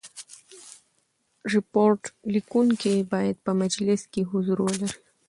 ریپورټ لیکوونکی باید په مجلس کي حضور ولري.